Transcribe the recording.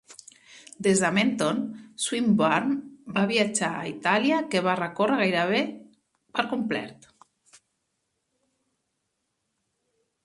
Des de Menton, Swinburne va viatjar a Itàlia, que va recórrer gairebé per complet.